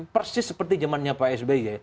persis seperti zamannya pak sby